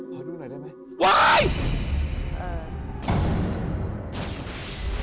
ขอดูหน่อยได้ไหม